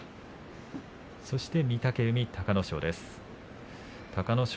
そして御嶽海に隆の勝。